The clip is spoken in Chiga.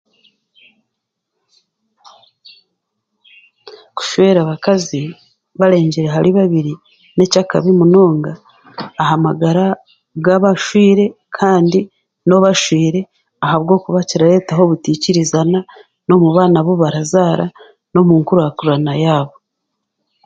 Kushwera abakazi barengire ahari babiri n'ekyakabi munonga aha magara gabaswire kandi n'obashwire ahabwokuba kirareetaho obutaikirizana n'omu baana abu barazaara n'omu nkurnkurana yaabo.